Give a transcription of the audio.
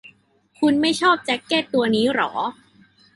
คุณไม่ชอบแจ๊คเก็ตตัวนี้หรอ